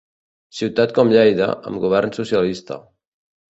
Ciutat com Lleida, amb govern socialista.